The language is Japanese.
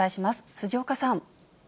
辻岡さん。